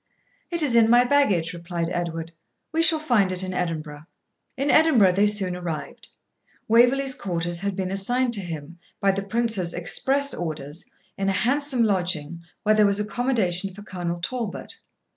'It is in my baggage,' replied Edward; 'we shall find it in Edinburgh.' In Edinburgh they soon arrived. Waverley's quarters had been assigned to him, by the Prince's express orders, in a handsome lodging, where there was accommodation for Colonel Talbot.